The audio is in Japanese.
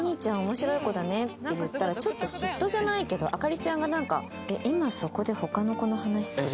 面白い子だね」って言ったらちょっと嫉妬じゃないけどアカリちゃんがなんか「えっ今そこで他の子の話する？」